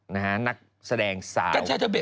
นักแสดงสาว